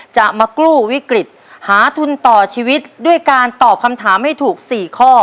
จะมากู้วิกฤตหาทุนต่อชีวิตด้วยการตอบคำถามให้ถูก๔ข้อ